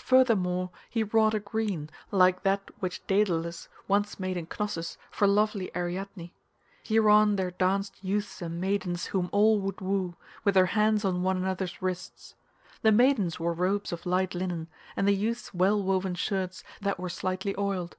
Furthermore he wrought a green, like that which Daedalus once made in Cnossus for lovely Ariadne. Hereon there danced youths and maidens whom all would woo, with their hands on one another's wrists. The maidens wore robes of light linen, and the youths well woven shirts that were slightly oiled.